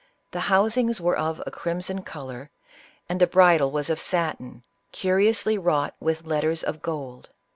The housings were of a crimson color, and the bridle was of satin, curiously wrought with letters of gold.